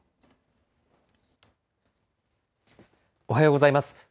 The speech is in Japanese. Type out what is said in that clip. おはようございます。